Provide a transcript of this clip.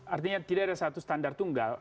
artinya tidak ada satu standar tunggal